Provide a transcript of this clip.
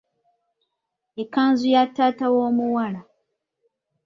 Ekkanzu ya taata w’omuwala.